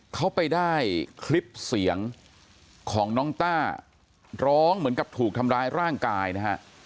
เขาไปได้คลิปเสียงของน้องต้าร้องเหมือนกับถูกทำร้ายร่างกายนะฮะ